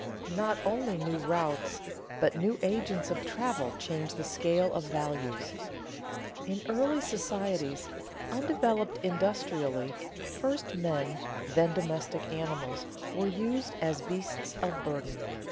_ Not only new routes but new agents of travel change the scale of values. In early societies, undeveloped industrially, first men, then domestic animals, were used as beasts of burden.